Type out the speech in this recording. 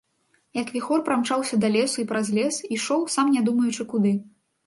Як віхор прамчаўся да лесу і праз лес, ішоў, сам не думаючы куды.